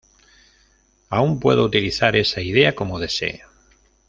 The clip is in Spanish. Aún puedo utilizar esa idea como desee.